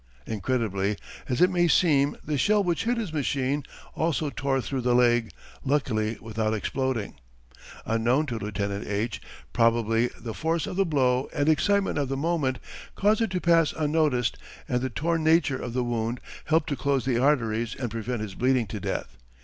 Incredible as it may seem the shell which hit his machine also tore through the leg luckily without exploding unknown to Lieutenant H. Probably the force of the blow and excitement of the moment caused it to pass unnoticed and the torn nature of the wound helped to close the arteries and prevent his bleeding to death.